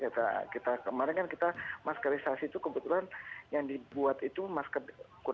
jadi kita kemarin kan kita maskerisasi itu kebetulan yang dibuat itu masker